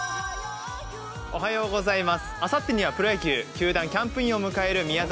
あさってにはプロ野球球団キャンプインを迎える宮崎